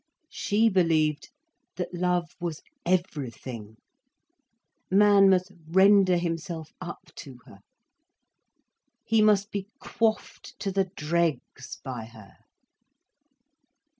She believed that love was everything. Man must render himself up to her. He must be quaffed to the dregs by her.